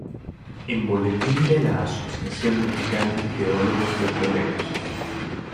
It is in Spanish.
En Boletín de la Asociación Mexicana Geólogos Petroleros.